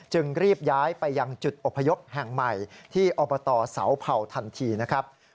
จึงรีบย้ายไปยังจุดอพยพแห่งใหม่ที่อบตเสาเผ่าทันทีนะครับ